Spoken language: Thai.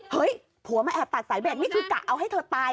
ผัวมาแอบตัดสายเบ็ดนี่คือกะเอาให้เธอตาย